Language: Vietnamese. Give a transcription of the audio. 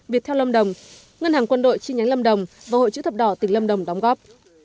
việt theo lâm đồng ngân hàng quân đội chi nhánh lâm đồng và hội chữ thập đỏ tỉnh lâm đồng đóng góp